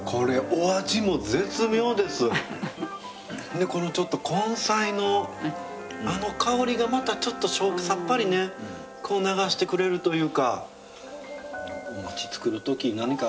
でこのちょっと根菜のあの香りがまたちょっとさっぱりねこう流してくれるというか。